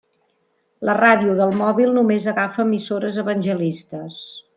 La ràdio del mòbil només agafa emissores evangelistes.